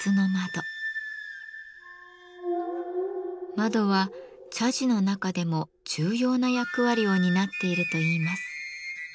窓は茶事の中でも重要な役割を担っているといいます。